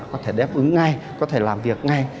có thể đáp ứng ngay có thể làm việc ngay